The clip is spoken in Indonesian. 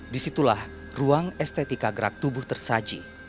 disitulah ruang estetika gerak tubuh tersaji